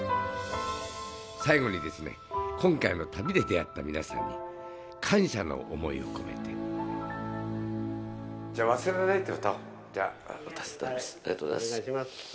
最後に、今回の旅で出会った皆さんに感謝の思いを込めてじゃあ、「忘れない」という歌を歌わせていただきます。